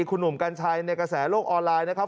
คุณหนุ่มกัญชัยในกระแสโลกออนไลน์นะครับ